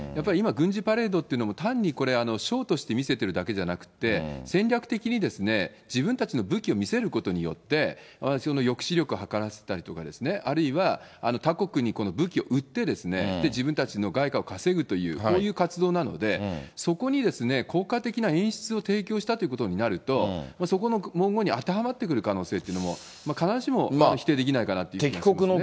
やっぱり今、軍事パレードというのも、単にこれ、ショーとして見せてるだけじゃなくて、戦略的に自分たちの武器を見せることによって、抑止力を図らせたりとか、あるいは他国にこの武器を売って、自分たちの外貨を稼ぐという、こういう活動なので、そこに効果的な演出を提供したということになると、そこの文言に当てはまってくる可能性というのも、必ずしも否定できないかなという気がしますね。